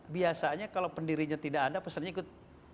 biasanya kalau pendirinya tidak ada pesannya ikut